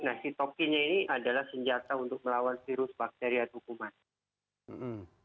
nah sitokin ini adalah senjata untuk melawan virus bakteria atau kuman